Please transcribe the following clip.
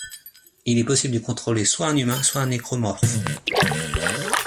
Il est possible d'y contrôler soit un humain, soit un nécromorphe.